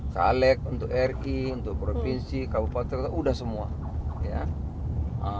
salek untuk ri untuk provinsi kabupaten udah semua